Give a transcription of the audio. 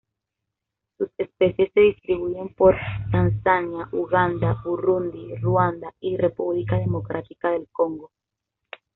Sus especies se distribuyen por Tanzania, Uganda, Burundi, Ruanda y República Democrática del Congo.